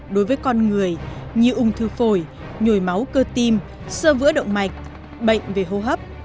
đối với con người như ung thư phổi nhồi máu cơ tim sơ vữa động mạch bệnh về hô hấp